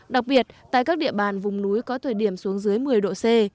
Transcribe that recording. đặc biệt tại các địa bàn vùng núi có thời điểm xuống dưới một mươi độ c